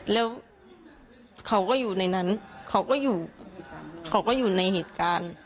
แล้วเขาก็อยู่ในนั้นเขาอยู่ในเหตุการณ์